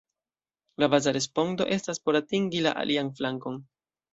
La baza respondo estas "por atingi la alian flankon".